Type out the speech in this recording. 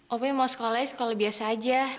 opi mau sekolahnya sekolah biasa aja